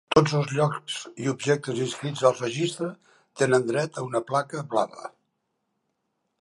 Tots els llocs i objectes inscrits al registre tenen dret a una placa Blava.